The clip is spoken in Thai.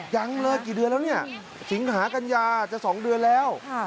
ยังเลยกี่เดือนแล้วเนี่ยสิงหากัญญาจะ๒เดือนแล้ว